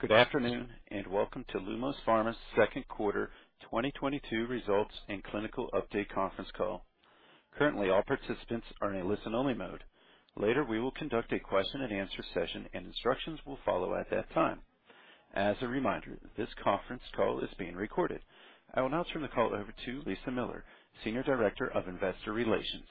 Good afternoon, and welcome to Lumos Pharma's second quarter 2022 results and clinical update conference call. Currently, all participants are in a listen-only mode. Later, we will conduct a question and answer session, and instructions will follow at that time. As a reminder, this conference call is being recorded. I will now turn the call over to Lisa Miller, Senior Director of Investor Relations.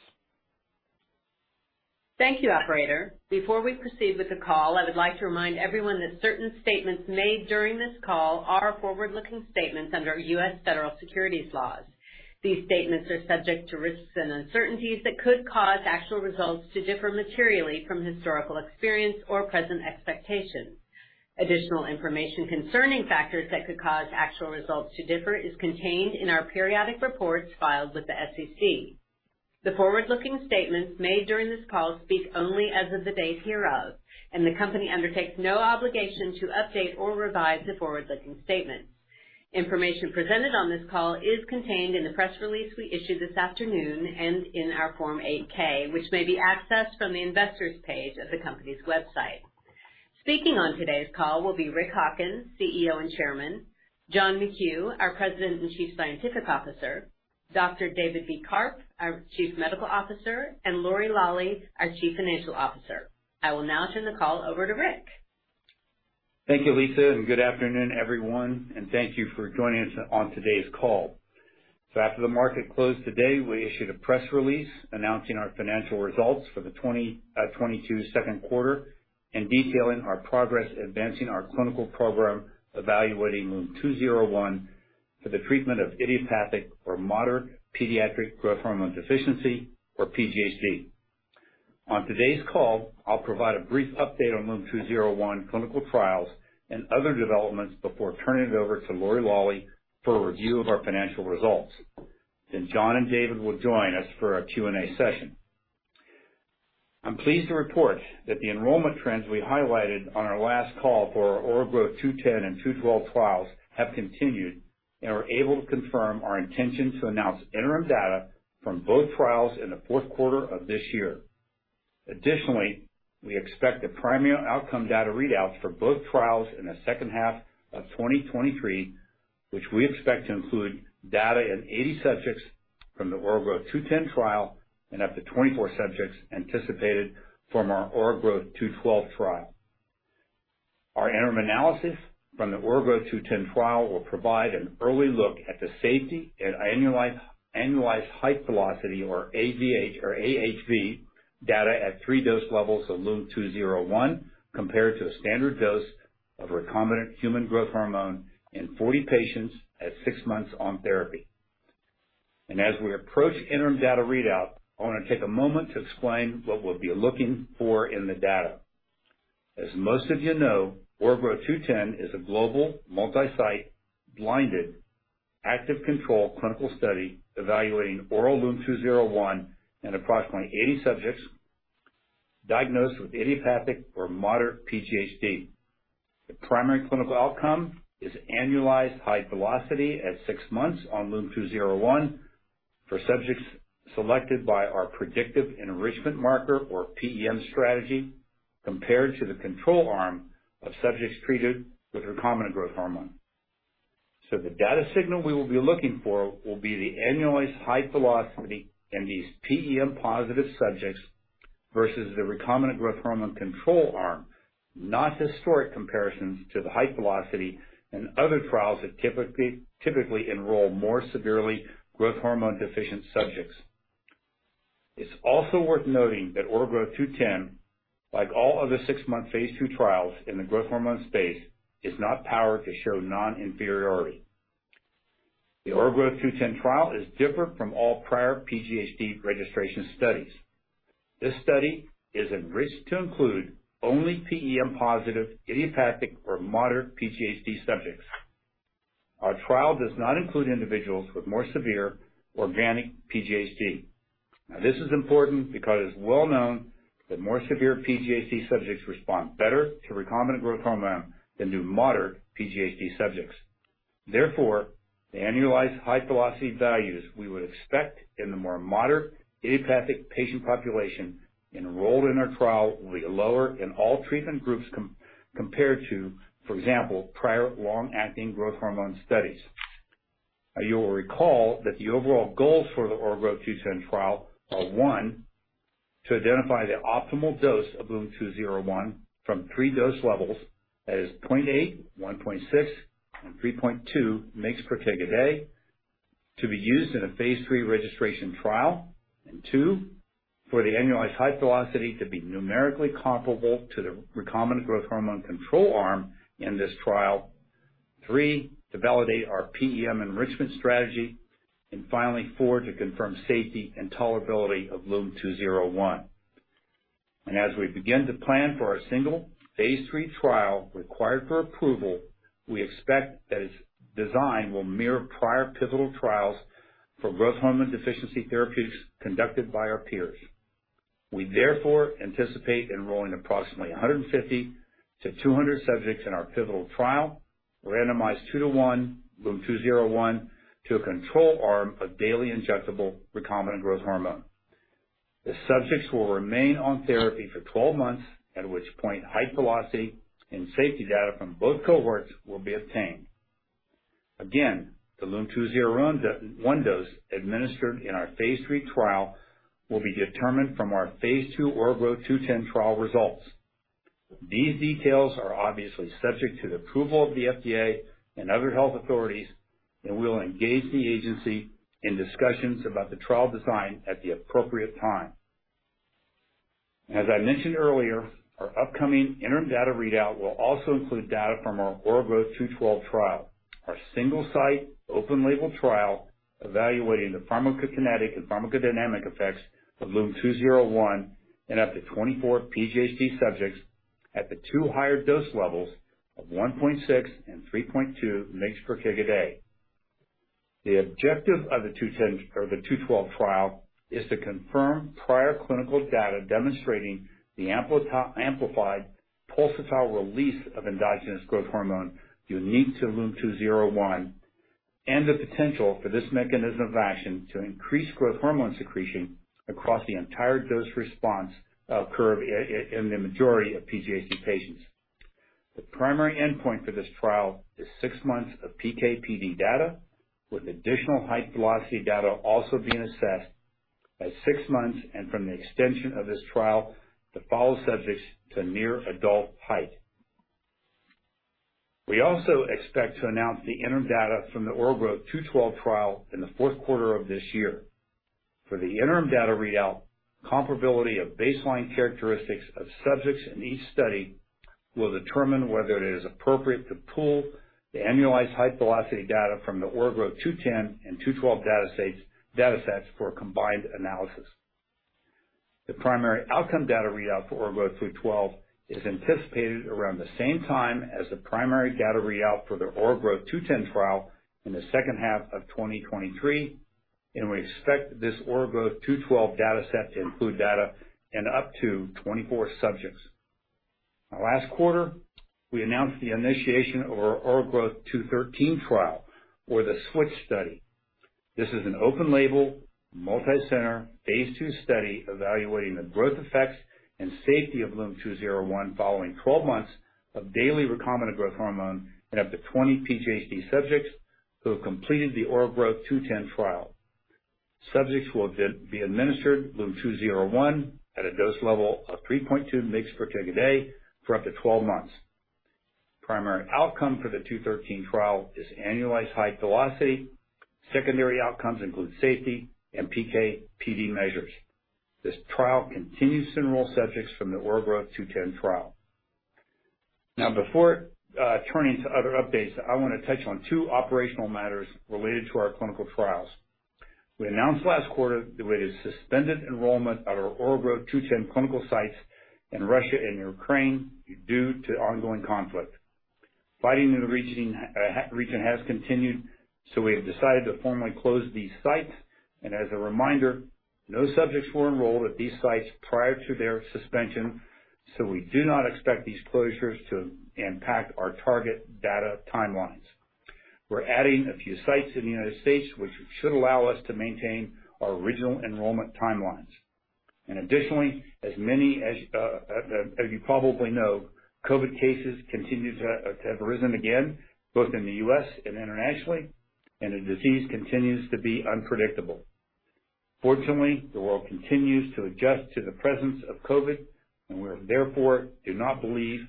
Thank you, operator. Before we proceed with the call, I would like to remind everyone that certain statements made during this call are forward-looking statements under U.S. federal securities laws. These statements are subject to risks and uncertainties that could cause actual results to differ materially from historical experience or present expectations. Additional information concerning factors that could cause actual results to differ is contained in our periodic reports filed with the SEC. The forward-looking statements made during this call speak only as of the date hereof, and the company undertakes no obligation to update or revise the forward-looking statements. Information presented on this call is contained in the press release we issued this afternoon and in our Form 8-K, which may be accessed from the investor's page of the company's website. Speaking on today's call will be Rick Hawkins, CEO and Chairman, John McKew, our President and Chief Scientific Officer, Dr. David B. Karpf, our Chief Medical Officer, and Lori Lawley, our Chief Financial Officer. I will now turn the call over to Rick. Thank you, Lisa, and good afternoon, everyone, and thank you for joining us on today's call. After the market closed today, we issued a press release announcing our financial results for the 2022 second quarter and detailing our progress advancing our clinical program evaluating LUM-201 for the treatment of idiopathic or moderate pediatric growth hormone deficiency, or PGHD. On today's call, I'll provide a brief update on LUM-201 clinical trials and other developments before turning it over to Lori Lawley for a review of our financial results. John and David will join us for our Q&A session. I'm pleased to report that the enrollment trends we highlighted on our last call for our OraGrowtH210 and OraGrowtH212 trials have continued and are able to confirm our intention to announce interim data from both trials in the fourth quarter of this year. Additionally, we expect the primary outcome data readouts for both trials in the second half of 2023, which we expect to include data in 80 subjects from the OraGrowtH210 trial and up to 24 subjects anticipated from our OraGrowtH212 trial. Our interim analysis from the OraGrowtH210 trial will provide an early look at the safety and annualized height velocity, or AHV data at three dose levels of LUM-201 compared to a standard dose of recombinant human growth hormone in 40 patients at six months on therapy. As we approach interim data readout, I wanna take a moment to explain what we'll be looking for in the data. As most of you know, OraGrowtH210 is a global multi-site blinded active control clinical study evaluating oral LUM-201 in approximately 80 subjects diagnosed with idiopathic or moderate PGHD. The primary clinical outcome is annualized height velocity at six months on LUM-201 for subjects selected by our Predictive Enrichment Marker, or PEM strategy, compared to the control arm of subjects treated with recombinant growth hormone. The data signal we will be looking for will be the annualized height velocity in these PEM-positive subjects versus the recombinant growth hormone control arm, not historic comparisons to the height velocity and other trials that typically enroll more severely growth hormone deficient subjects. It's also worth noting that OraGrowtH210, like all other six-month phase II trials in the growth hormone space, is not powered to show non-inferiority. The OraGrowtH210 trial is different from all prior PGHD registration studies. This study is enriched to include only PEM-positive idiopathic or moderate PGHD subjects. Our trial does not include individuals with more severe organic PGHD. Now, this is important because it's well known that more severe PGHD subjects respond better to recombinant growth hormone than do moderate PGHD subjects. Therefore, the annualized height velocity values we would expect in the more moderate idiopathic patient population enrolled in our trial will be lower in all treatment groups compared to, for example, prior long-acting growth hormone studies. Now, you'll recall that the overall goals for the OraGrowtH210 trial are, 1, to identify the optimal dose of LUM-201 from three dose levels, that is 0.8, 1.6, and 3.2 mg/kg/day, to be used in a phase III registration trial. Two, for the annualized height velocity to be numerically comparable to the recombinant growth hormone control arm in this trial. Three, to validate our PEM enrichment strategy. Finally, four, to confirm safety and tolerability of LUM-201. As we begin to plan for our single phase III trial required for approval, we expect that its design will mirror prior pivotal trials for growth hormone deficiency therapeutics conducted by our peers. We therefore anticipate enrolling approximately 150-200 subjects in our pivotal trial, randomized two-to-one LUM-201 to a control arm of daily injectable recombinant growth hormone. The subjects will remain on therapy for 12 months, at which point height velocity and safety data from both cohorts will be obtained. Again, the LUM-201 d-one dose administered in our phase III trial will be determined from our phase II OraGrowtH210 trial results. These details are obviously subject to the approval of the FDA and other health authorities, and we'll engage the agency in discussions about the trial design at the appropriate time. As I mentioned earlier, our upcoming interim data readout will also include data from our OraGrowtH212 trial. Our single site open label trial evaluating the pharmacokinetic and pharmacodynamic effects of LUM-201 in up to 24 PGHD subjects at the two higher dose levels of 1.6 and 3.2 mg/kg/day. The objective of the OraGrowtH212 trial is to confirm prior clinical data demonstrating the amplified pulsatile release of endogenous growth hormone unique to LUM-201, and the potential for this mechanism of action to increase growth hormone secretion across the entire dose response curve in the majority of PGHD patients. The primary endpoint for this trial is six months of PK/PD data, with additional height velocity data also being assessed at six months and from the extension of this trial to follow subjects to near adult height. We also expect to announce the interim data from the OraGrowtH212 trial in the fourth quarter of this year. For the interim data readout, comparability of baseline characteristics of subjects in each study will determine whether it is appropriate to pool the annualized height velocity data from the OraGrowtH210 and OraGrowtH212 data sets for a combined analysis. The primary outcome data readout for OraGrowtH212 is anticipated around the same time as the primary data readout for the OraGrowtH210 trial in the second half of 2023, and we expect this OraGrowtH212 data set to include data in up to 24 subjects. Now last quarter, we announced the initiation of our OraGrowtH213 trial or the switch study. This is an open-label, multicenter, phase II study evaluating the growth effects and safety of LUM-201 following 12 months of daily recombinant growth hormone in up to 20 PGHD subjects who have completed the OraGrowtH210 trial. Subjects will be administered LUM-201 at a dose level of 3.2 mg per kg a day for up to 12 months. Primary outcome for the OraGrowtH213 trial is annualized height velocity. Secondary outcomes include safety and PK/PD measures. This trial continues to enroll subjects from the OraGrowtH210 trial. Now, before turning to other updates, I wanna touch on two operational matters related to our clinical trials. We announced last quarter that we had suspended enrollment at our OraGrowtH210 clinical sites in Russia and Ukraine due to ongoing conflict. Fighting in the region has continued, so we have decided to formally close these sites. As a reminder, no subjects were enrolled at these sites prior to their suspension, so we do not expect these closures to impact our target data timelines. We're adding a few sites in the United States, which should allow us to maintain our original enrollment timelines. Additionally, as you probably know, COVID cases continue to have risen again, both in the U.S. and internationally, and the disease continues to be unpredictable. Fortunately, the world continues to adjust to the presence of COVID, and we therefore do not believe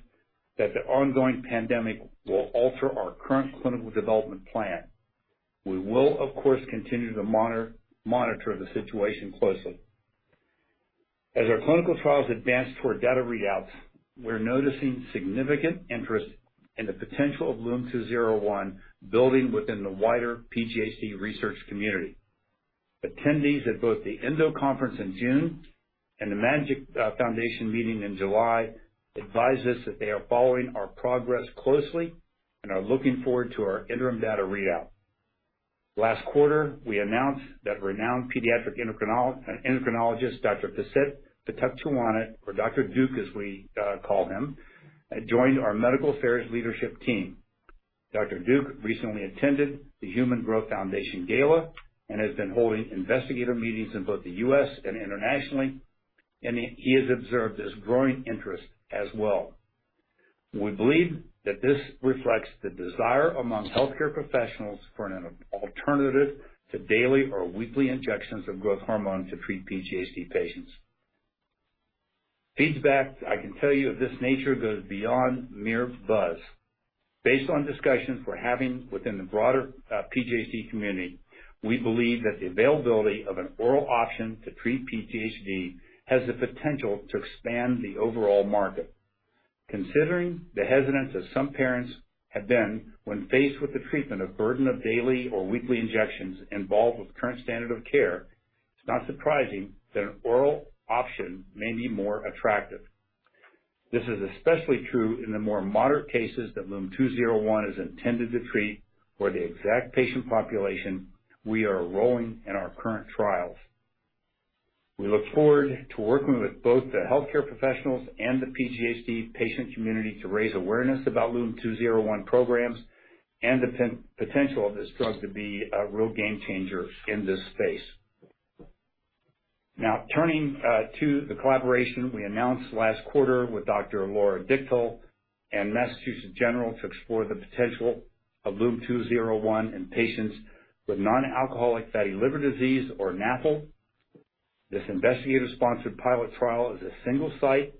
that the ongoing pandemic will alter our current clinical development plan. We will of course continue to monitor the situation closely. As our clinical trials advance toward data readouts, we're noticing significant interest in the potential of LUM-201 building within the wider PGHD research community. Attendees at both the ENDO conference in June and the MAGIC Foundation meeting in July advised us that they are following our progress closely and are looking forward to our interim data readout. Last quarter, we announced that renowned pediatric endocrinologist, Dr. Pisit Pitukcheewanont, or Dr. Duke as we call him, had joined our medical affairs leadership team. Dr. Duke recently attended the Human Growth Foundation Gala and has been holding investigator meetings in both the US and internationally, and he has observed this growing interest as well. We believe that this reflects the desire among healthcare professionals for an alternative to daily or weekly injections of growth hormone to treat PGHD patients. Feedback, I can tell you, of this nature goes beyond mere buzz. Based on discussions we're having within the broader PGHD community, we believe that the availability of an oral option to treat PGHD has the potential to expand the overall market. Considering the hesitance that some parents have been when faced with the treatment of burden of daily or weekly injections involved with current standard of care, it's not surprising that an oral option may be more attractive. This is especially true in the more moderate cases that LUM-201 is intended to treat for the exact patient population we are enrolling in our current trials. We look forward to working with both the healthcare professionals and the PGHD patient community to raise awareness about LUM-201 programs and the potential of this drug to be a real game changer in this space. Now, turning to the collaboration we announced last quarter with Dr. Laura Dichtel and Massachusetts General Hospital to explore the potential of LUM-201 in patients with non-alcoholic fatty liver disease, or NAFLD. This investigator-sponsored pilot trial is a single-site,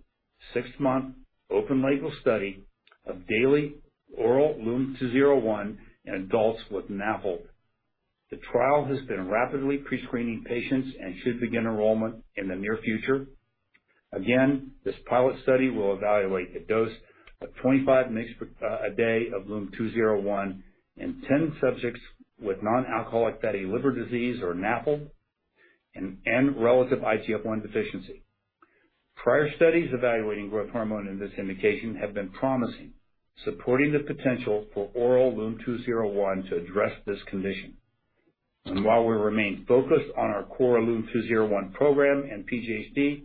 six-month, open-label study of daily oral LUM-201 in adults with NAFLD. The trial has been rapidly pre-screening patients and should begin enrollment in the near future. Again, this pilot study will evaluate the dose of 25 mg a day of LUM-201 in 10 subjects with non-alcoholic fatty liver disease, or NAFLD, and relative IGF-I deficiency. Prior studies evaluating growth hormone in this indication have been promising, supporting the potential for oral LUM-201 to address this condition. While we remain focused on our core LUM-201 program and PGHD,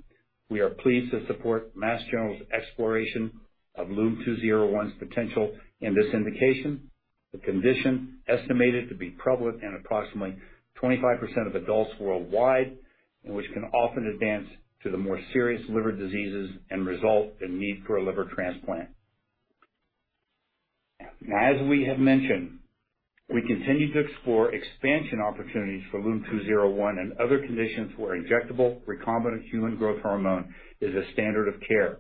we are pleased to support Mass General's exploration of LUM-201's potential in this indication. The condition estimated to be prevalent in approximately 25% of adults worldwide, and which can often advance to the more serious liver diseases and result in need for a liver transplant. Now, as we have mentioned, we continue to explore expansion opportunities for LUM-201 and other conditions where injectable recombinant human growth hormone is a standard of care.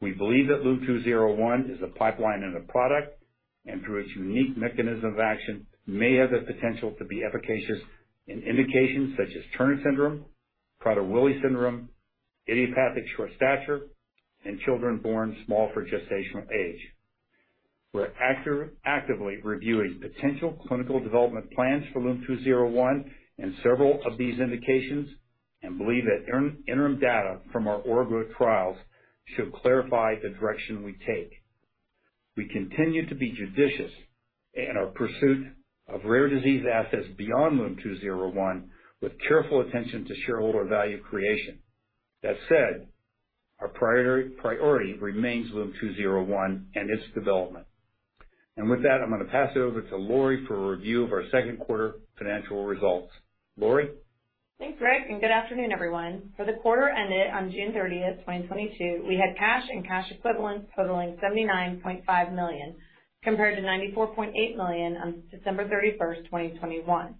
We believe that LUM-201 is a pipeline and a product, and through its unique mechanism of action, may have the potential to be efficacious in indications such as Turner syndrome, Prader-Willi syndrome, idiopathic short stature, and children born small for gestational age. We're actively reviewing potential clinical development plans for LUM-201 in several of these indications and believe that interim data from our oral growth trials should clarify the direction we take. We continue to be judicious in our pursuit of rare disease assets beyond LUM-201, with careful attention to shareholder value creation. That said, our primary priority remains LUM-201 and its development. With that, I'm gonna pass it over to Lori for a review of our second quarter financial results. Lori? Thanks, Rick, and good afternoon, everyone. For the quarter ended on June 30, 2022, we had cash and cash equivalents totaling $79.5 million, compared to $94.8 million on December 31, 2021.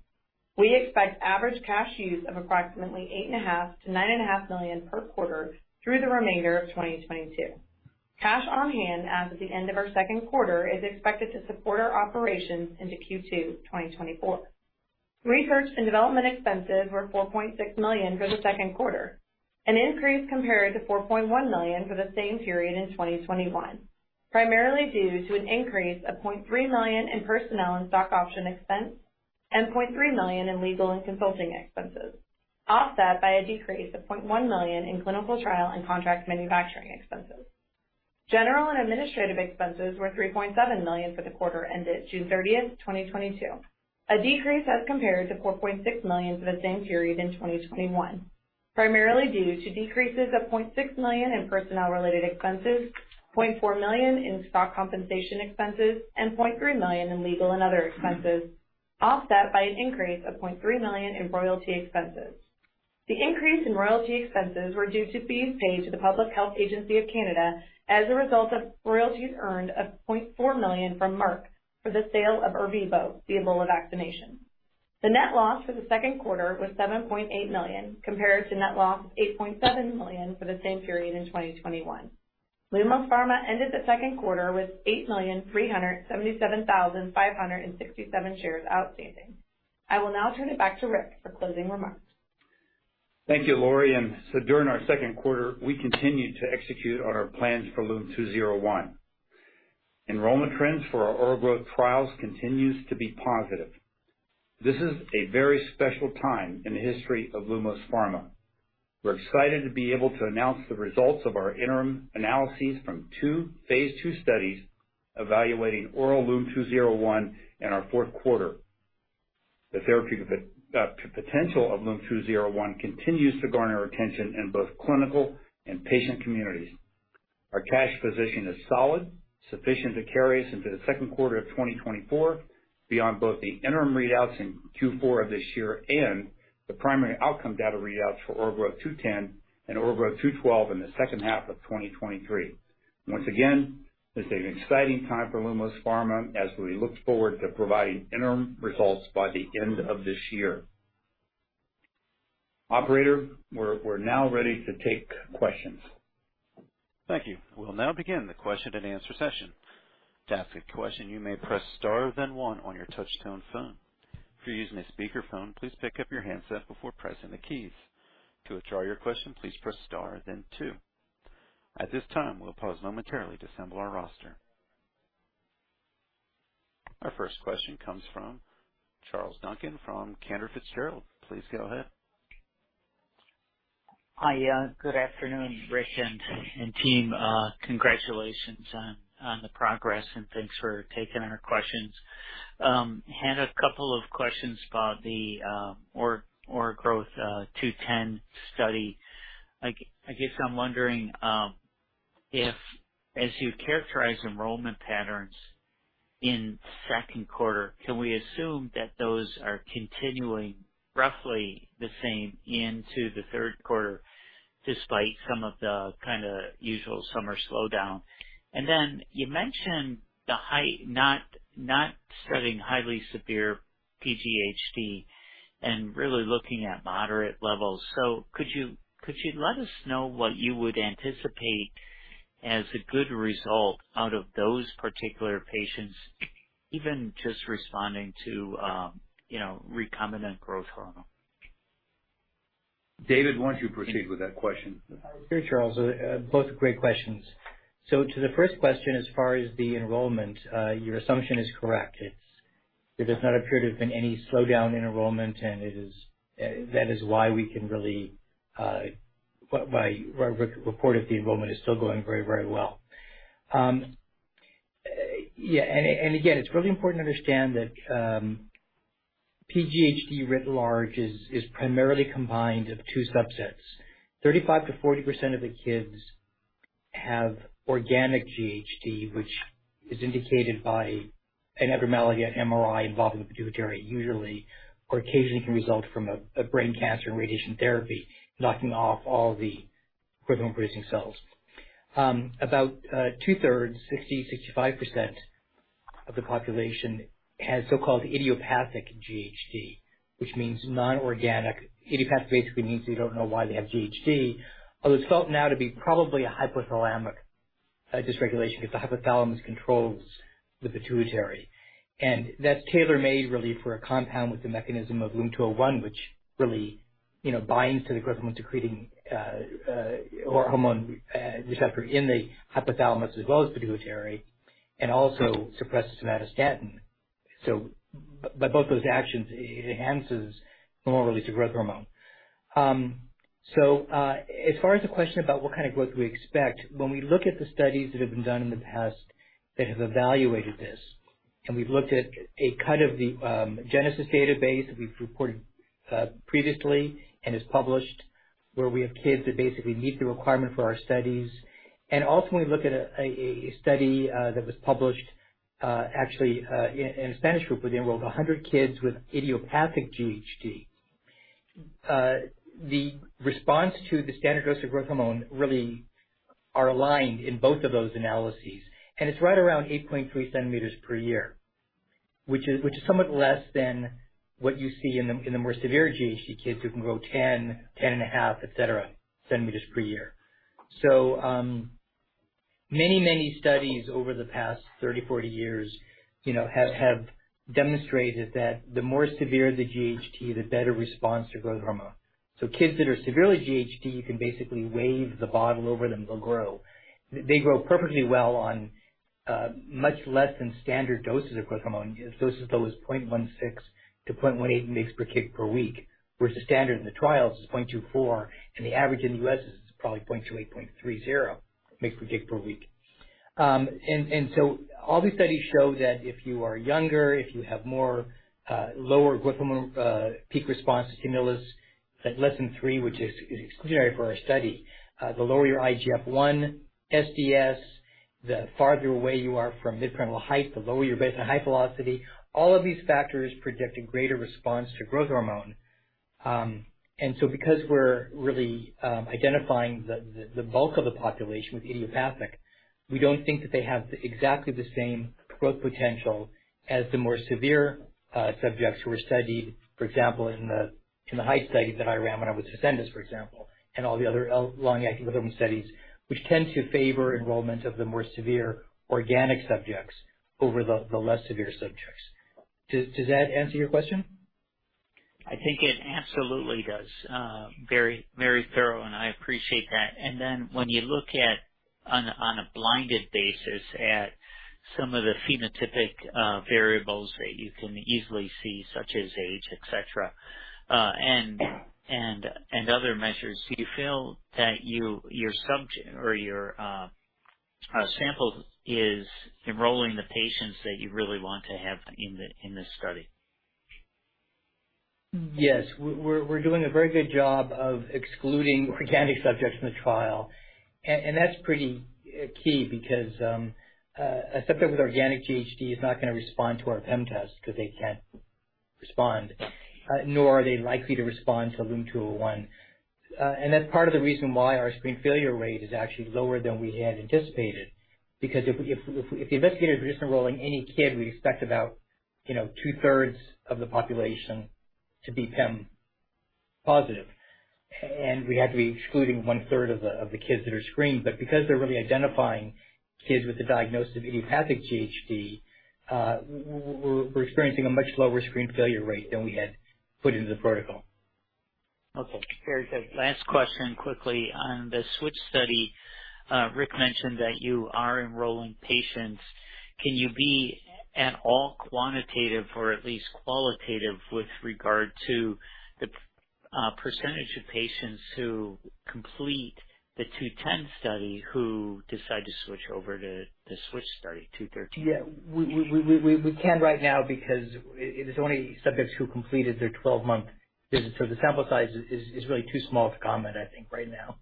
We expect average cash use of approximately $8.5 million-$9.5 million per quarter through the remainder of 2022. Cash on hand as of the end of our second quarter is expected to support our operations into Q2 2024. Research and development expenses were $4.6 million for the second quarter, an increase compared to $4.1 million for the same period in 2021, primarily due to an increase of $0.3 million in personnel and stock option expense and $0.3 million in legal and consulting expenses, offset by a decrease of $0.1 million in clinical trial and contract manufacturing expenses. General and administrative expenses were $3.7 million for the quarter ended June 30, 2022, a decrease as compared to $4.6 million for the same period in 2021, primarily due to decreases of $0.6 million in personnel-related expenses, $0.4 million in stock compensation expenses, and $0.3 million in legal and other expenses, offset by an increase of $0.3 million in royalty expenses. The increase in royalty expenses were due to fees paid to the Public Health Agency of Canada as a result of royalties earned of $0.4 million from Merck for the sale of ERVEBO, the Ebola vaccination. The net loss for the second quarter was $7.8 million, compared to net loss of $8.7 million for the same period in 2021. Lumos Pharma ended the second quarter with 8,377,567 shares outstanding. I will now turn it back to Rick for closing remarks. Thank you, Lori. During our second quarter, we continued to execute on our plans for LUM-201. Enrollment trends for our oral growth trials continues to be positive. This is a very special time in the history of Lumos Pharma. We're excited to be able to announce the results of our interim analyses from two phase II studies evaluating oral LUM-201 in our fourth quarter. The therapeutic potential of LUM-201 continues to garner attention in both clinical and patient communities. Our cash position is solid, sufficient to carry us into the second quarter of 2024, beyond both the interim readouts in Q4 of this year and the primary outcome data readouts for OraGrowtH210 and OraGrowtH212 in the second half of 2023. Once again, this is an exciting time for Lumos Pharma as we look forward to providing interim results by the end of this year. Operator, we're now ready to take questions. Thank you. We'll now begin the question-and-answer session. To ask a question, you may press star, then one on your touch-tone phone. If you're using a speakerphone, please pick up your handset before pressing the keys. To withdraw your question, please press star then two. At this time, we'll pause momentarily to assemble our roster. Our first question comes from Charles Duncan from Cantor Fitzgerald. Please go ahead. Hi. Good afternoon, Rick and team. Congratulations on the progress and thanks for taking our questions. Had a couple of questions about the OraGrowtH210 study. I guess I'm wondering, if, as you characterize enrollment patterns in second quarter, can we assume that those are continuing roughly the same into the third quarter despite some of the kind of usual summer slowdown? You mentioned not studying highly severe PGHD and really looking at moderate levels. Could you let us know what you would anticipate as a good result out of those particular patients, even just responding to, you know, recombinant growth hormone? David, why don't you proceed with that question? Sure, Charles. Both great questions. To the first question, as far as the enrollment, your assumption is correct. It does not appear to have been any slowdown in enrollment. That is why we can really, why we reported the enrollment is still going very, very well. Yeah. Again, it's really important to understand that, PGHD writ large is primarily combined of two subsets. 35%-40% of the kids have organic GHD, which is indicated by an abnormality on MRI involving the pituitary usually, or occasionally can result from a brain cancer and radiation therapy knocking off all the equivalent producing cells. About 2/3, 65% of the population has so-called idiopathic GHD, which means non-organic. Idiopathic basically means we don't know why they have GHD. Although it's thought now to be probably a hypothalamic dysregulation because the hypothalamus controls the pituitary. That's tailor-made really for a compound with the mechanism of LUM-201, which really you know binds to the growth hormone secretagogue receptor in the hypothalamus as well as pituitary and also suppresses somatostatin. By both those actions it enhances the release of growth hormone. As far as the question about what kind of growth we expect when we look at the studies that have been done in the past that have evaluated this and we've looked at a cut of the GeNeSIS database that we've reported previously and is published where we have kids that basically meet the requirement for our studies. When we look at a study that was published actually in a Spanish group where they enrolled 100 kids with idiopathic GHD. The response to the standard dose of growth hormone really are aligned in both of those analyses, and it's right around 8.3 cm per year, which is somewhat less than what you see in the more severe GHD kids who can grow 10.5, et cetera, centimeters per year. Many studies over the past 30, 40 years, you know, have demonstrated that the more severe the GHD, the better response to growth hormone. Kids that are severely GHD, you can basically wave the bottle over them, they'll grow. They grow perfectly well on much less than standard doses of growth hormone. Doses as low as 0.16-0.18 mg per kg per week, whereas the standard in the trials is 0.24, and the average in the U.S. is probably 0.28, 0.30 mg per kg per week. All these studies show that if you are younger, if you have lower growth hormone peak response to stimulus at less than three, which is exclusionary for our study. The lower your IGF-I SDS, the farther away you are from midparental height, the lower your baseline height velocity. All of these factors predict a greater response to growth hormone. Because we're really identifying the bulk of the population with idiopathic, we don't think that they have exactly the same growth potential as the more severe subjects who were studied, for example, in the heiGHt Trial that I ran when I was at Ascendis Pharma, for example. All the other long-acting trial studies, which tend to favor enrollment of the more severe organic subjects over the less severe subjects. Does that answer your question? I think it absolutely does. Very, very thorough, and I appreciate that. Then when you look at, on a blinded basis, at some of the phenotypic variables that you can easily see, such as age, et cetera, and other measures, do you feel that your subject or your sample is enrolling the patients that you really want to have in the study? Yes. We're doing a very good job of excluding organic subjects from the trial. That's pretty key because a subject with organic GHD is not gonna respond to our PEM test because they can't respond. Nor are they likely to respond to LUM-201. That's part of the reason why our screen failure rate is actually lower than we had anticipated. Because if the investigators were just enrolling any kid, we'd expect about, you know, two-thirds of the population to be PEM positive. And we'd have to be excluding one-third of the kids that are screened. Because they're really identifying kids with the diagnosis of idiopathic GHD, we're experiencing a much lower screen failure rate than we had put into the protocol. Okay. Very good. Last question, quickly. On the switch study, Rick mentioned that you are enrolling patients. Can you be at all quantitative or at least qualitative with regard to the percentage of patients who complete the OraGrowtH210 study who decide to switch over to the switch study? OraGrowtH213. Yeah. We can right now because it is only subjects who completed their 12-month For the sample size is really too small to comment, I think, right now.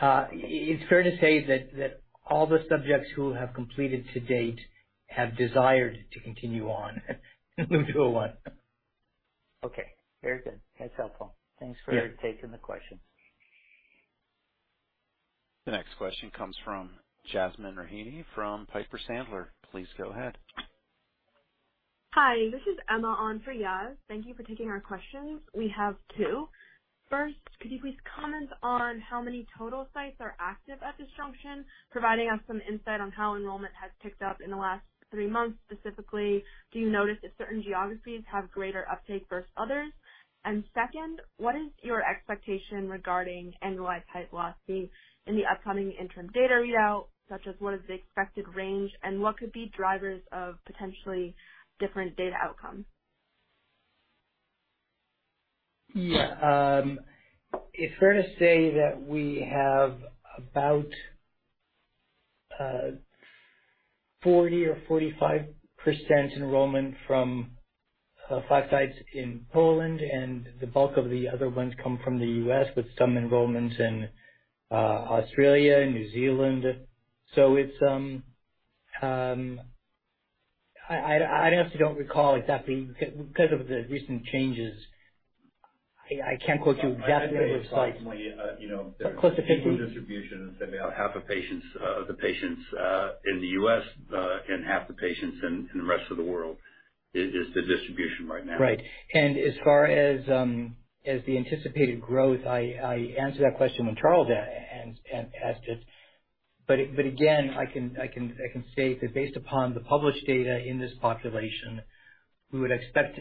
It's fair to say that all the subjects who have completed to date have desired to continue on to one. Okay, very good. That's helpful. Yeah. Thanks for taking the question. The next question comes from Yasmeen Rahimi from Piper Sandler. Please go ahead. Hi, this is Emma on for Yasmeen. Thank you for taking our questions. We have two. First, could you please comment on how many total sites are active at this juncture, providing us some insight on how enrollment has picked up in the last three months? Specifically, do you notice if certain geographies have greater uptake versus others? And second, what is your expectation regarding annualized height velocity in the upcoming interim data readout, such as what is the expected range and what could be drivers of potentially different data outcomes? It's fair to say that we have about 40% or 45% enrollment from five sites in Poland, and the bulk of the other ones come from the US, with some enrollments in Australia and New Zealand. I honestly don't recall exactly because of the recent changes. I can't quote you exactly. I'd say it's likely, you know. Close to 50-50. Even distribution. It's about 1/2 of the patients in the U.S. and 1/2 the patients in the rest of the world. That is the distribution right now. Right. As far as the anticipated growth, I answered that question when Charles asked it. Again, I can say that based upon the published data in this population, we would expect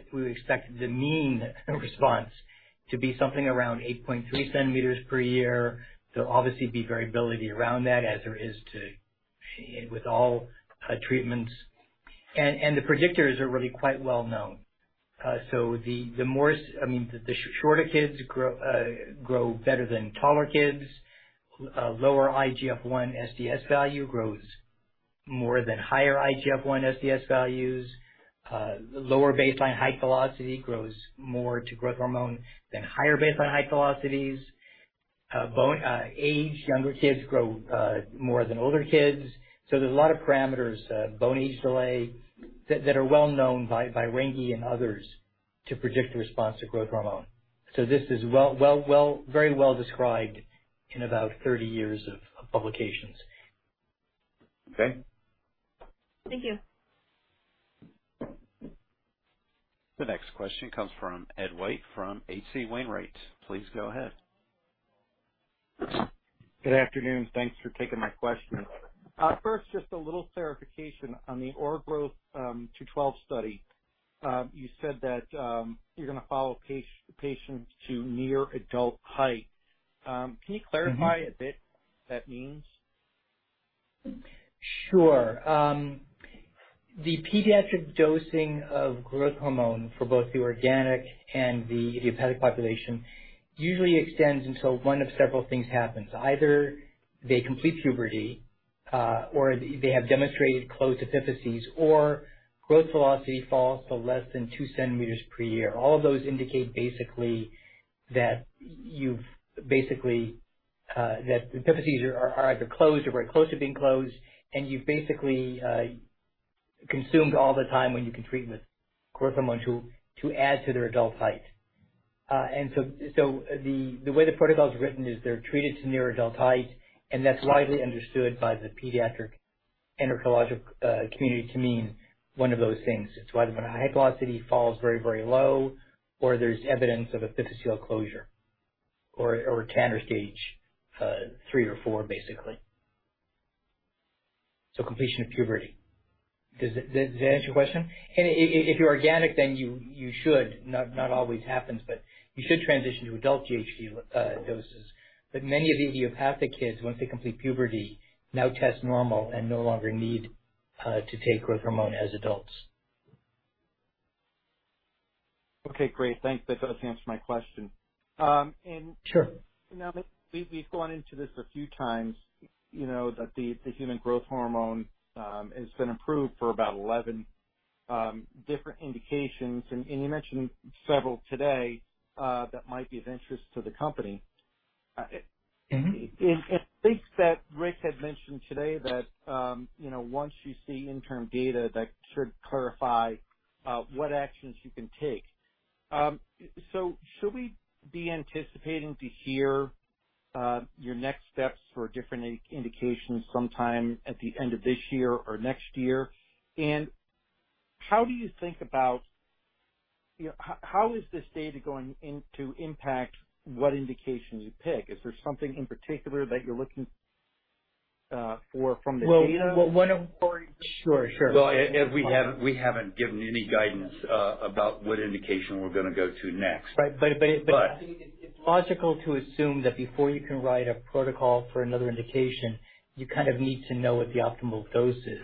the mean response to be something around 8.3 cm per year. There'll obviously be variability around that as there is with all treatments. The predictors are really quite well known. I mean, the shorter kids grow better than taller kids. Lower IGF-1 SDS value grows more than higher IGF-1 SDS values. Lower baseline height velocity grows more to growth hormone than higher baseline height velocities. Bone age, younger kids grow more than older kids. There's a lot of parameters, bone age delay, that are well known by Ranke and others to predict the response to growth hormone. This is very well described in about 30 years of publications. Okay. Thank you. The next question comes from Ed White from H.C. Wainwright. Please go ahead. Good afternoon. Thanks for taking my question. First, just a little clarification. On the OraGrowtH212 study, you said that you're gonna follow patients to near adult height. Can you clarify? Mm-hmm. a bit what that means? Sure. The pediatric dosing of growth hormone for both the organic and the idiopathic population usually extends until one of several things happens. Either they complete puberty, or they have demonstrated closed epiphyses or growth velocity falls to less than two centimeters per year. All of those indicate basically that the epiphyses are either closed or very close to being closed, and you've basically consumed all the time when you can treat with growth hormone to add to their adult height. The way the protocol's written is they're treated to near adult height, and that's widely understood by the pediatric endocrinologic community to mean one of those things. It's either when height velocity falls very, very low or there's evidence of epiphyseal closure or Tanner Stage three or four, basically. Completion of puberty. Does that answer your question? If you're organic, then you should, not always happens, but you should transition to adult GHD doses. Many of the idiopathic kids, once they complete puberty, now test normal and no longer need to take growth hormone as adults. Okay, great. Thanks. That does answer my question. Sure. Now that we've gone into this a few times, you know, that the human growth hormone has been approved for about 11 different indications. You mentioned several today that might be of interest to the company. Mm-hmm. In things that Rick had mentioned today that, you know, once you see interim data, that should clarify what actions you can take. Should we be anticipating to hear your next steps for different indications sometime at the end of this year or next year? How do you think about, you know, how is this data going to impact what indications you pick? Is there something in particular that you're looking for from the data? Well. Sure. Well, we haven't given any guidance about what indication we're gonna go to next. Right. But- It's logical to assume that before you can write a protocol for another indication, you kind of need to know what the optimal dose is.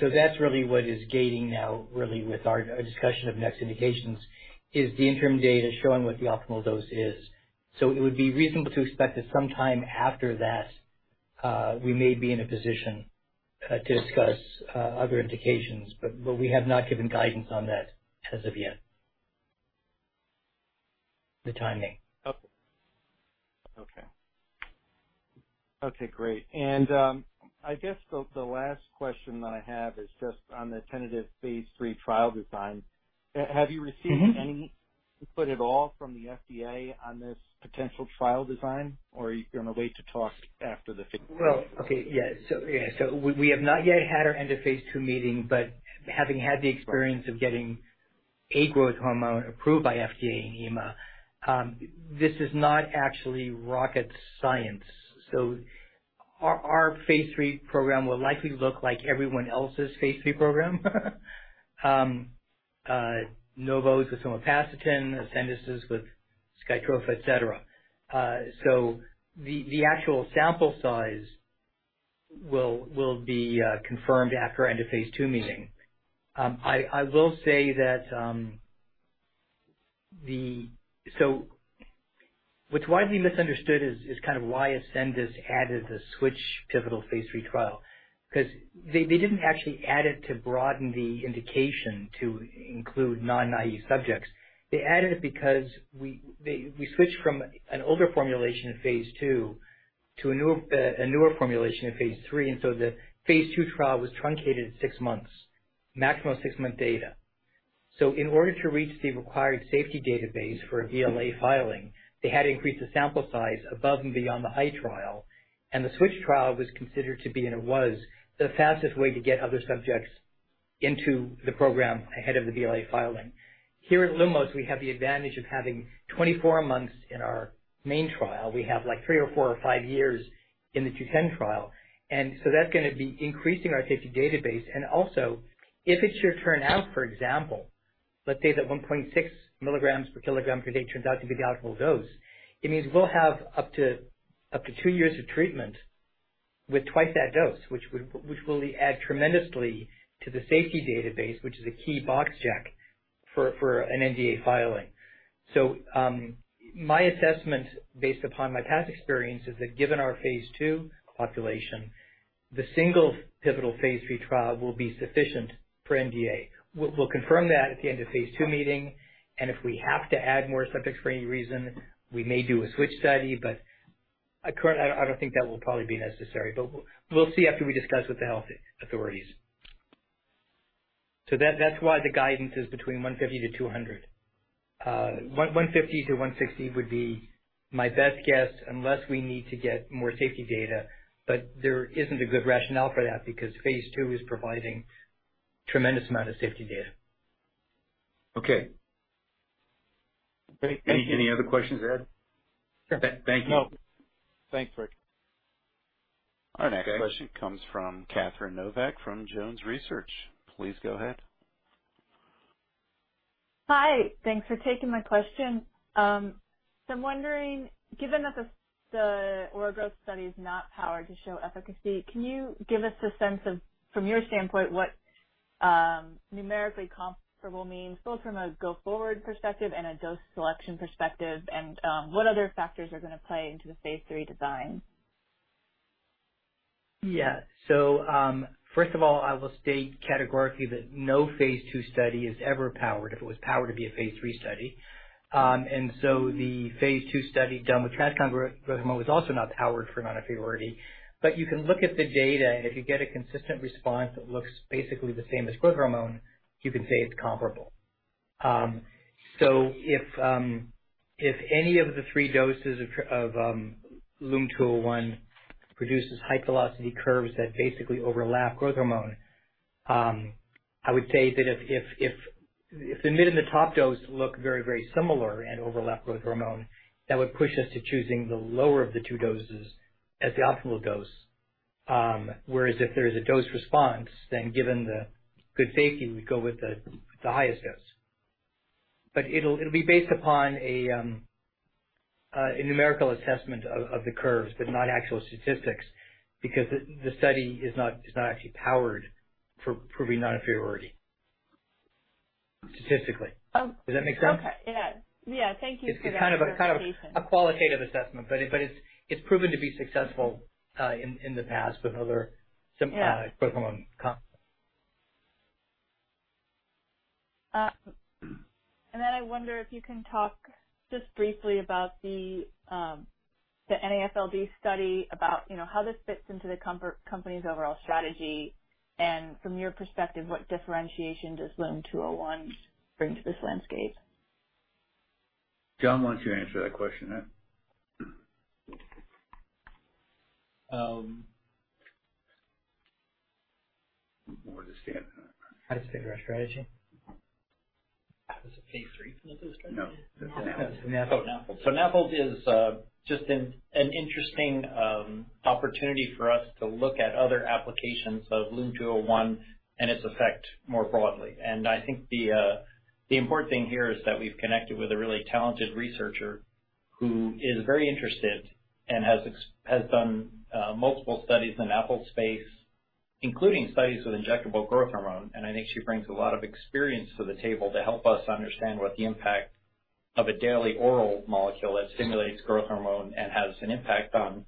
That's really what is gating now, really, with our discussion of next indications, is the interim data showing what the optimal dose is. It would be reasonable to expect that sometime after that, we may be in a position to discuss other indications. We have not given guidance on that as of yet. The timing. Okay, great. I guess the last question that I have is just on the tentative phase III trial design. Have you received any input at all from the FDA on this potential trial design or are you gonna wait to talk after the fifth? We have not yet had our end of phase II meeting, but having had the experience of getting a growth hormone approved by FDA and EMA, this is not actually rocket science. Our phase III program will likely look like everyone else's phase III program. Novo Nordisk with somapacitan, Ascendis Pharma with SKYTROFA, etc. The actual sample size will be confirmed after end of phase II meeting. I will say that what's widely misunderstood is kind of why Ascendis added the switch pivotal phase III trial, because they didn't actually add it to broaden the indication to include non-naive subjects. They added it because they switched from an older formulation in phase II to a newer formulation in phase III. The phase II trial was truncated six months, maximum six-month data. In order to reach the required safety database for a BLA filing, they had to increase the sample size above and beyond the high trial. The switch trial was considered to be, and it was, the fastest way to get other subjects into the program ahead of the BLA filing. Here at Lumos, we have the advantage of having 24 months in our main trial. We have, like, three or four or five years in the OraGrowtH210 trial. That's gonna be increasing our safety database. If it should turn out, for example, let's say that 1.6 mg/kg per day turns out to be the optimal dose, it means we'll have up to two years of treatment with twice that dose, which will add tremendously to the safety database, which is a key box check for an NDA filing. My assessment, based upon my past experience, is that given our phase II population, the single pivotal phase III trial will be sufficient for NDA. We'll confirm that at the end of phase II meeting, and if we have to add more subjects for any reason, we may do a switch study. I don't think that will probably be necessary. We'll see after we discuss with the health authorities. That's why the guidance is between $150-$200. $150-$160 would be my best guess unless we need to get more safety data. There isn't a good rationale for that because phase II is providing tremendous amount of safety data. Okay. Great. Thank you. Any other questions, Ed? No. Thank you. Thanks, Rick. Our next question comes from Catherine Novack from Jones Research. Please go ahead. Hi. Thanks for taking my question. I'm wondering, given that the oral growth study is not powered to show efficacy, can you give us a sense of, from your standpoint, what numerically comparable means, both from a go-forward perspective and a dose selection perspective? What other factors are gonna play into the phase III design? Yeah. First of all, I will state categorically that no phase II study is ever powered if it was powered to be a phase III study. The phase II study done with traditional Growth Hormone was also not powered for non-inferiority. You can look at the data, and if you get a consistent response that looks basically the same as growth hormone, you can say it's comparable. If any of the three doses of LUM-201 produces high velocity curves that basically overlap growth hormone, I would say that if the mid and the top dose look very, very similar and overlap growth hormone, that would push us to choosing the lower of the two doses as the optimal dose. Whereas if there is a dose response, then given the good safety, we go with the highest dose. It'll be based upon a numerical assessment of the curves, but not actual statistics, because the study is not actually powered for proving non-inferiority, statistically. Okay. Does that make sense? Yeah. Yeah. Thank you for that clarification. It's kind of a qualitative assessment, but it's proven to be successful in the past with other sim- Yeah. growth hormone compounds. I wonder if you can talk just briefly about the NAFLD study about, you know, how this fits into the company's overall strategy. From your perspective, what differentiation does LUM-201 bring to this landscape? John wants you to answer that question. Um. Where does it stand? How does it fit our strategy? As a phase III, does it fit the strategy? No. The NAFLD. The NAFLD. NAFLD is just an interesting opportunity for us to look at other applications of LUM-201 and its effect more broadly. I think the important thing here is that we've connected with a really talented researcher who is very interested and has done multiple studies in NAFLD space, including studies with injectable growth hormone. I think she brings a lot of experience to the table to help us understand what the impact Of a daily oral molecule that stimulates growth hormone and has an impact on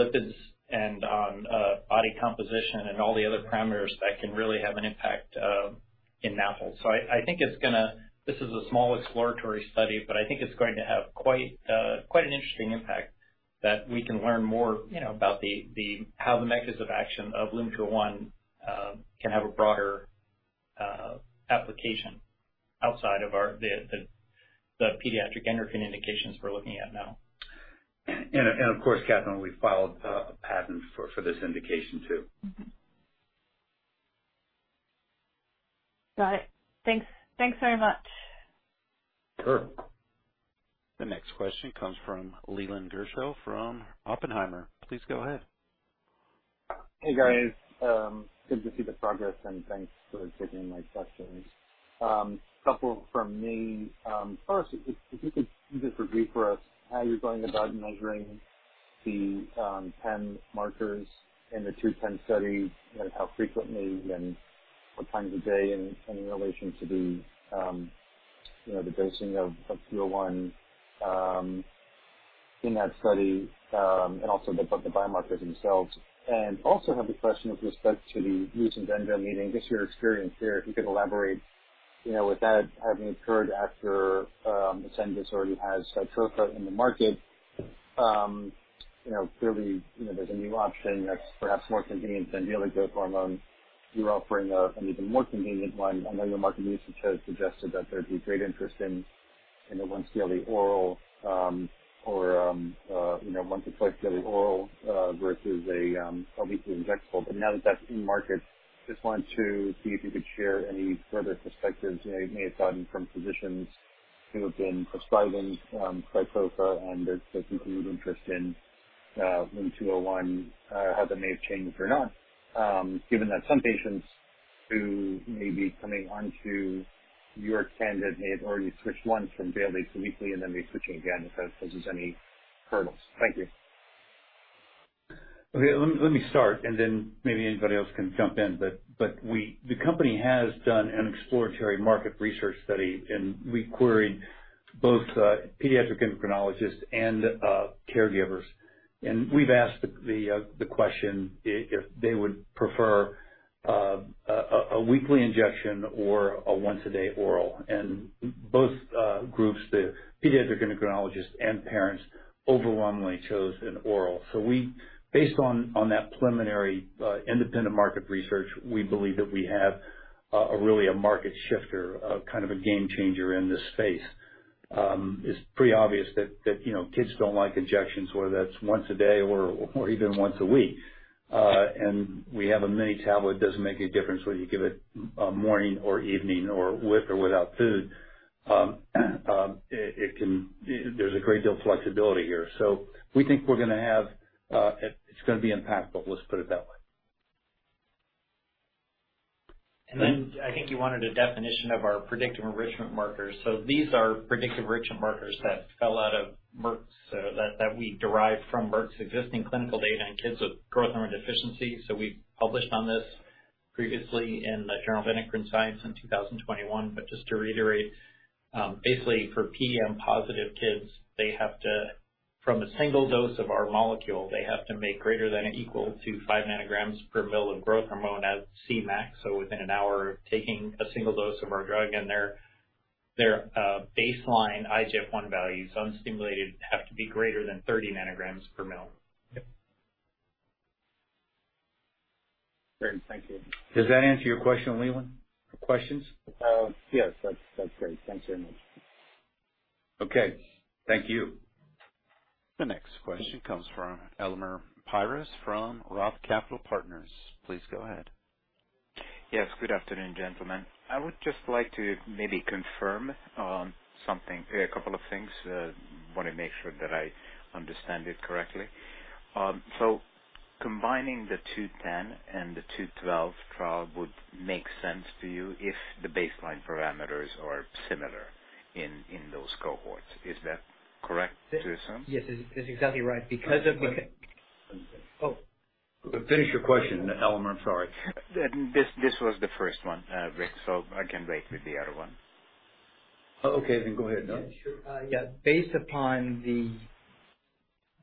lipids and on body composition and all the other parameters that can really have an impact in natural. I think it's gonna. This is a small exploratory study, but I think it's going to have quite an interesting impact that we can learn more, you know, about how the mechanism of action of LUM-201 can have a broader application outside of our pediatric endocrine indications we're looking at now. Of course, Catherine, we filed a patent for this indication too. Got it. Thanks. Thanks very much. Sure. The next question comes from Leland Gershell from Oppenheimer. Please go ahead. Hey, guys. Good to see the progress and thanks for taking my questions. A couple from me. First, if you could just review for us how you're going about measuring the ten markers in the two ten study and how frequently and what time of day in relation to the you know, the dosing of two oh one in that study and also the biomarkers themselves. Also have a question with respect to the recent ENDO meeting, just your experience there. If you could elaborate, you know, with that having occurred after Ascendis already has SKYTROFA in the market, you know, clearly, you know, there's a new option that's perhaps more convenient than the other growth hormone. You're offering an even more convenient one. I know your market research has suggested that there'd be great interest in a once-daily oral, you know, once or twice daily oral versus a weekly injectable. But now that that's in market, just wanted to see if you could share any further perspectives you may have gotten from physicians who have been prescribing SKYTROFA and if there's continued interest in LUM-201, how that may have changed or not, given that some patients who may be coming onto your candidate may have already switched once from daily to weekly and then be switching again, if that poses any hurdles. Thank you. Okay. Let me start, and then maybe anybody else can jump in. The company has done an exploratory market research study, and we queried both pediatric endocrinologists and caregivers. We've asked the question if they would prefer a weekly injection or a once-a-day oral. Both groups, the pediatric endocrinologists and parents, overwhelmingly chose an oral. We based on that preliminary independent market research, we believe that we have really a market shifter, a kind of a game changer in this space. It's pretty obvious that, you know, kids don't like injections, whether that's once a day or even once a week. We have a mini tablet. Doesn't make any difference whether you give it morning or evening or with or without food. There's a great deal of flexibility here. We think we're gonna have, it's gonna be impactful, let's put it that way. I think you wanted a definition of our predictive enrichment markers. These are predictive enrichment markers that we derived from Merck's existing clinical data in kids with growth hormone deficiency. We published on this previously in the Journal of Endocrinology in 2021. Just to reiterate, basically for PEM-positive kids, from a single dose of our molecule, they have to make greater than or equal to 5 nanograms per mL of growth hormone at Cmax. Within an hour of taking a single dose of our drug, and their baseline IGF-I values, unstimulated, have to be greater than 30 ng/ mL. Great. Thank you. Does that answer your question, Leland? Or questions? Yes. That's great. Thanks very much. Okay. Thank you. The next question comes from Elemer Piros from Roth Capital Partners. Please go ahead. Yes. Good afternoon, gentlemen. I would just like to maybe confirm on something. A couple of things. Wanna make sure that I understand it correctly. So combining the 210 and the 212 trial would make sense to you if the baseline parameters are similar in those cohorts. Is that correct to assume? Yes. That is exactly right. That's okay. Oh. Finish your question, Elemer. I'm sorry. This was the first one, Rick, so I can wait with the other one. Oh, okay. Go ahead. Yeah, sure. Based upon the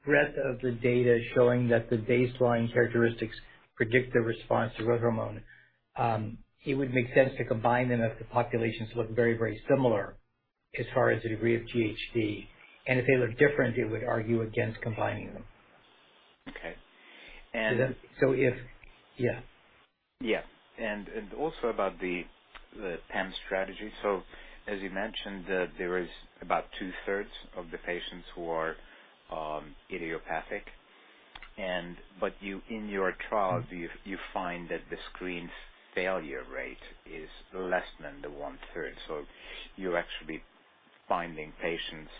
breadth of the data showing that the baseline characteristics predict the response to growth hormone, it would make sense to combine them if the populations look very, very similar as far as the degree of GHD. If they look different, it would argue against combining them. Okay. Yeah. Yeah. Also about the PEM strategy. As you mentioned, there is about two-thirds of the patients who are idiopathic. In your trials, you find that the screen failure rate is less than the 1/3. You're actually finding patients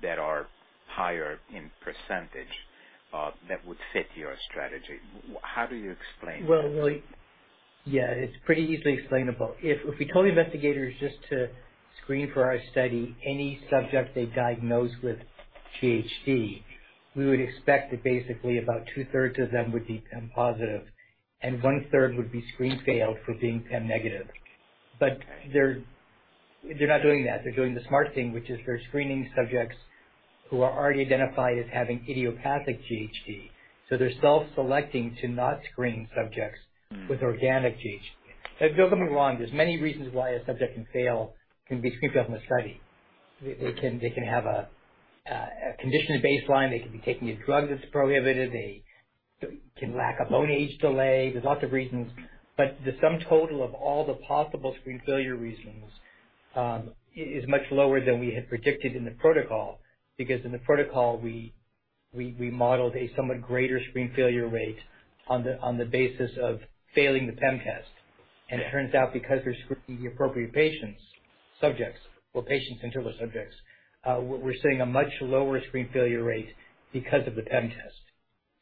that are higher in percentage that would fit your strategy. How do you explain that? Well, it's pretty easily explainable. If we told investigators just to screen for our study any subject they diagnosed with GHD, we would expect that basically about 2/3 of them would be PEM positive. One third would be screen failed for being PEM negative. They're not doing that. They're doing the smart thing, which is they're screening subjects who are already identified as having idiopathic GHD. They're self-selecting to not screen subjects. Mm-hmm. With organic GHD. Don't get me wrong, there's many reasons why a subject can fail, can be screened out from the study. They can have a condition at baseline. They can be taking a drug that's prohibited. They can lack of bone age delay. There's lots of reasons, but the sum total of all the possible screen failure reasons is much lower than we had predicted in the protocol. Because in the protocol we modeled a somewhat greater screen failure rate on the basis of failing the PEM test. It turns out, because they're screening the appropriate patients, subjects. Well, patients and trial subjects, we're seeing a much lower screen failure rate because of the PEM test.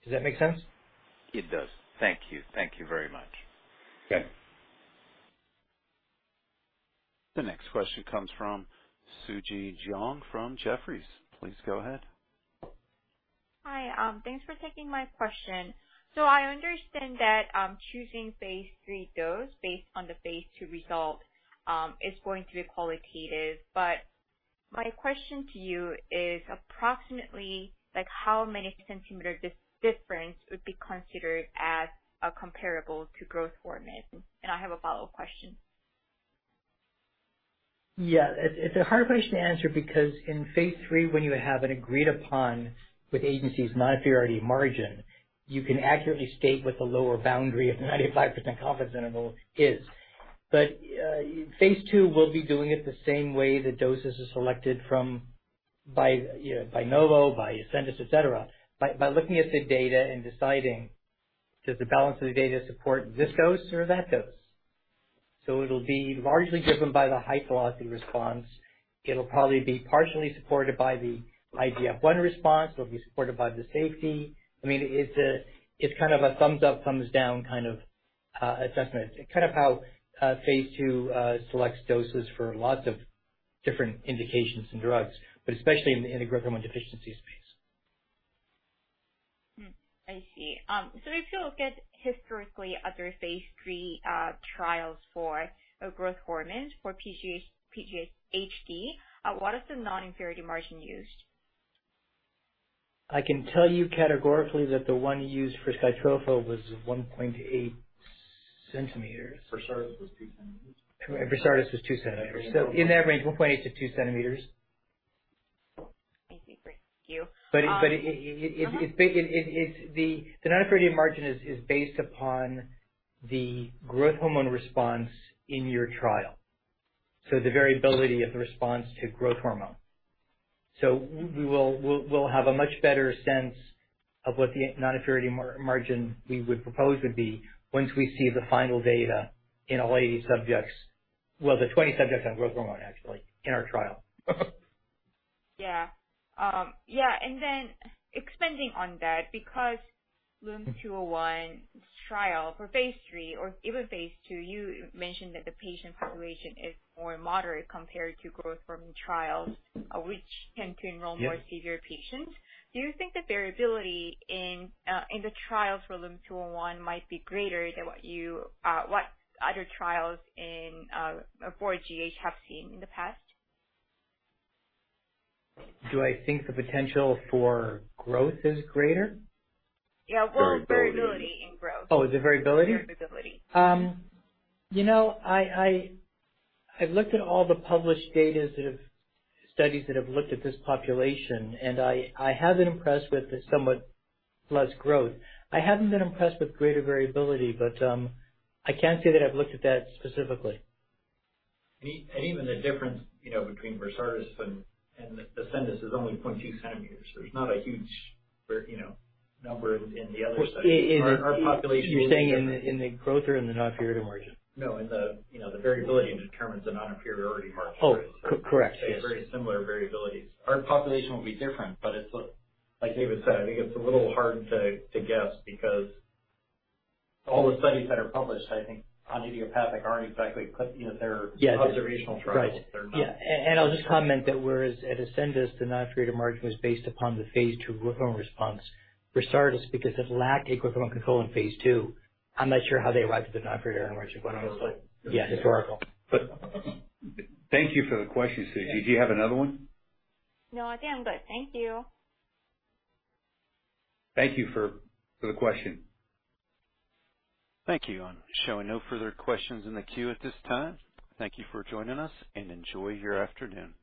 Does that make sense? It does. Thank you. Thank you very much. Okay. The next question comes from Suji Jeong from Jefferies. Please go ahead. Hi. Thanks for taking my question. I understand that, choosing phase III dose based on the phase II result, is going to be qualitative. My question to you is approximately like how many centimeters difference would be considered as a comparable to growth hormone? And I have a follow-up question. Yeah. It's a hard question to answer because in phase III, when you have an agreed upon with the agency's non-inferiority margin, you can accurately state what the lower boundary of 95% confidence interval is. Phase II, we'll be doing it the same way the doses are selected by, you know, by Novo, by Ascendis, et cetera. By looking at the data and deciding, does the balance of the data support this dose or that dose. It'll be largely driven by the height velocity response. It'll probably be partially supported by the IGF-I response. It'll be supported by the safety. I mean, it's kind of a thumbs up, thumbs down kind of assessment. Kind of how phase II selects doses for lots of different indications and drugs, but especially in the growth hormone deficiency space. I see. If you look at historically other phase III trials for growth hormone for PGHD, what is the non-inferiority margin used? I can tell you categorically that the one used for SKYTROFA was 1.8 cm. Versartis was 2 cm. Versartis was 2 cm. In that range, 1.8 cm-2 cm. I see. Great. Thank you. But, but it- Uh-huh. The non-inferiority margin is based upon the growth hormone response in your trial. The variability of the response to growth hormone. We will have a much better sense of what the non-inferiority margin we would propose would be once we see the final data in all 80 subjects. Well, the 20 subjects on growth hormone, actually, in our trial. Yeah. Yeah. Expanding on that, because LUM-201 trial for phase III or even phase II, you mentioned that the patient population is more moderate compared to growth hormone trials, which tend to enroll- Yes. More severe patients. Do you think the variability in the trials for LUM-201 might be greater than what other trials for GH have seen in the past? Do I think the potential for growth is greater? Yeah. Well. Variability. Variability in growth. Oh, the variability? The variability. You know, I've looked at all the published studies that have looked at this population, and I have been impressed with the somewhat less growth. I haven't been impressed with greater variability, but I can't say that I've looked at that specifically. even the difference, you know, between Versartis and Ascendis is only 0.2 cm. There's not a huge, you know, number in the other studies. Is, is- Our population. You're saying in the growth or in the non-inferiority margin? No, in the, you know, the variability determines the non-inferiority margin. Oh, correct. Yes. They have very similar variabilities. Our population will be different, but it's, like David said, I think it's a little hard to guess because all the studies that are published, I think, on idiopathic aren't exactly, you know. Yeah. Observational trials. Right. They're not. I'll just comment that whereas at Ascendis, the non-inferiority margin was based upon the phase III growth hormone response. Versartis, because this lacked a growth hormone control in phase II, I'm not sure how they arrived at the non-inferiority margin, quite honestly. Historical. Yeah, historical. Thank you for the question, Suji. Do you have another one? No, I think I'm good. Thank you. Thank you for the question. Thank you. I'm showing no further questions in the queue at this time. Thank you for joining us, and enjoy your afternoon.